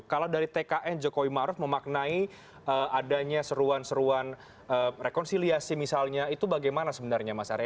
kalau dari tkn jokowi maruf memaknai adanya seruan seruan rekonsiliasi misalnya itu bagaimana sebenarnya mas arya